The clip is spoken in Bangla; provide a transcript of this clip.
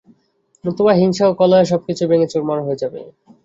নতুবা হিংসা ও কলহে সবকিছু ভেঙ্গে চুরমার হয়ে যাবে।